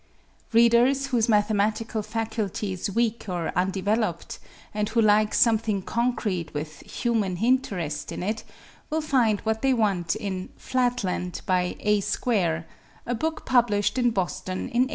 Readers whose mathematical faculty is weak or un developed and who like something concrete with '' hu man interest " in it will find what they want in " Flat land by A Square," a book published in Boston in 1891.